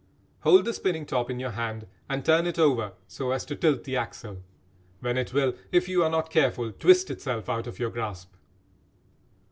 Hold the spinning top in your hand and turn it over so as to tilt the axle, when it will, if you are not careful, twist itself out of your grasp.